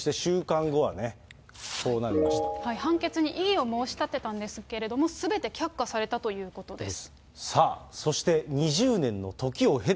そして、判決に異議を申し立てたんですけれども、すべて却下されたということです。